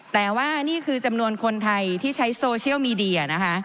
แต่ว่านี่คือจำนวนคนไทยที่ใช้โซเชียลมีเดียนะคะ